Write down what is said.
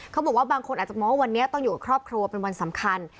บางคนอาจจะมองว่าวันนี้ต้องอยู่กับครอบครัวเป็นวันสำคัญ